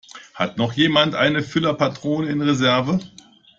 Hat noch jemand eine Füllerpatrone in Reserve?